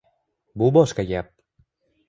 Bu boshqa gap